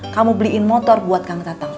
kamu beliin motor buat kang tatang